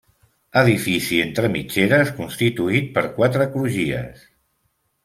Edifici entre mitgeres constituït per quatre crugies.